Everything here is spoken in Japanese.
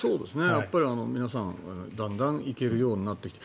やっぱり皆さんだんだん行けるようになってきて